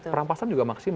perampasan juga maksimal